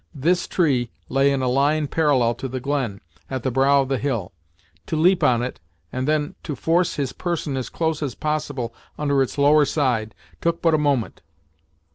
This tree lay in a line parallel to the glen, at the brow of the hill. To leap on it, and then to force his person as close as possible under its lower side, took but a moment.